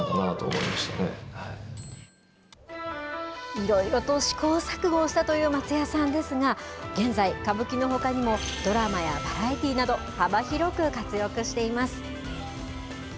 いろいろと試行錯誤をしたという松也さんですが現在、歌舞伎のほかにもドラマやバラエティーなど幅広く活躍しています。